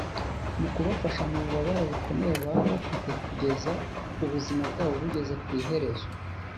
mu kubafasha mu bubabare bukomeye baba bafite kugeza ubuzima bwabo bugeze ku iherezo